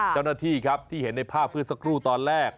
เจ้าหน้าที่ครับที่เห็นในภาพเมื่อสักครู่ตอนแรก